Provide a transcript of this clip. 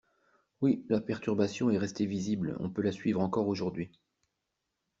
Oui, la perturbation est restée visible, on peut la suivre encore aujourd’hui.